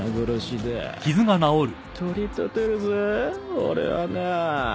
取り立てるぜ俺はなぁ。